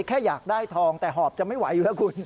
แค่อยากได้ทองแต่หอบจะไม่ไหวอยู่แล้วคุณ